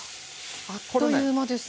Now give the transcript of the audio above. あっという間ですね。